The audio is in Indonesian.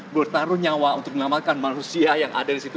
bertarung nyawa untuk melamatkan manusia yang ada di situ